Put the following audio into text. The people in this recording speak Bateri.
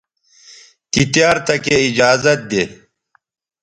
تی تیار تکے ایجازت دے